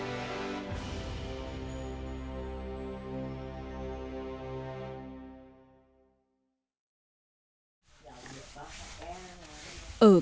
trần thị bồng